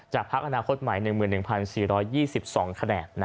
จากพักอนาคตใหม่๑๑๔๒๒คะแนนนะครับ